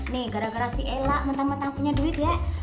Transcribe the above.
nih gara gara si ela mentang mentang punya duit ya